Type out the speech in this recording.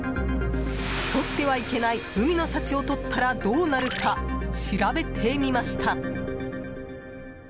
とってはいけない海の幸をとったらどうなるか調べてみました。